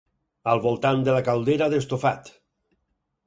Al voltant de la caldera d'estofat